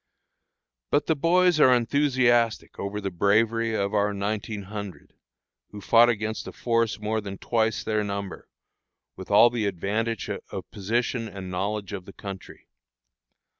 But the boys are enthusiastic over the bravery of our nineteen hundred, who fought against a force more than twice their number, with all the advantage of position and knowledge of the country.